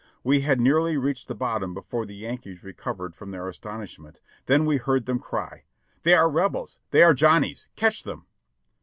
We had nearly reached the bottom before the Yankees recovered from their astonishment, then we heard them cry : "They are Rebels ! They are Johnnies ! Catch them!"